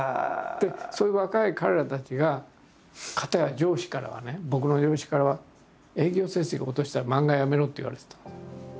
でそういう若い彼らたちがかたや上司からはね僕の上司からは「営業成績落としたら漫画やめろ」って言われてた。